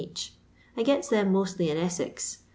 each ; I geU them mostly in Essex.